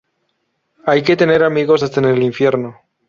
Hay que tener amigos hasta en el infierno